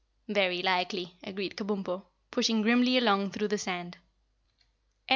"Very likely," agreed Kabumpo, pushing grimly along through the sand.